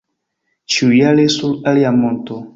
Ĉiujare sur alia monto.